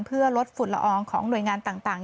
เพื่อลดฝุ่นละอองของหน่วยงานต่าง